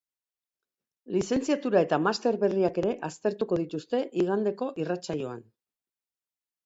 Lizentziatura eta master berriak ere aztertuko dituzte igandeko irratsaioan.